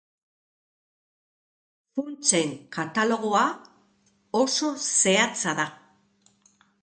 Funtsen katalogoa oso zehatza da.